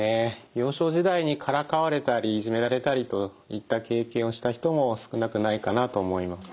幼少時代にからかわれたりいじめられたりといった経験をした人も少なくないかなと思います。